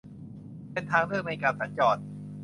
เป็นทางเลือกในการสัญจร